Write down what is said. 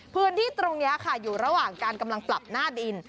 พื้นที่ตรงนี้ค่ะอยู่ระหว่างการกำลังปรับหน้าดิน